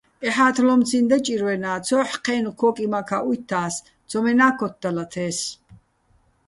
ეჰ̦ა́თლო́მციჼ და ჭირვენა́, ცო́ჰ̦ ჴე́ნო̆ ქო́კიმაქაჸ უჲთთა́ს, ცომენა́ ქოთთდალათე́ს.